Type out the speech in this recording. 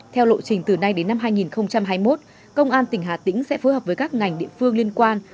theo lộ trình từ nay đến năm hai nghìn hai mươi một công an tỉnh hà tĩnh sẽ phối hợp với các ngành địa phương liên quan